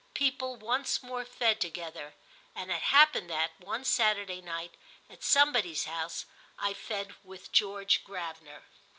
People once more fed together, and it happened that, one Saturday night, at somebody's house, I fed with George Gravener.